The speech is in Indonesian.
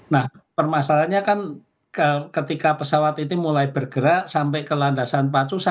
nah permasalahannya kan ketika pesawat ini mulai bergerak sampai ke landasan pacu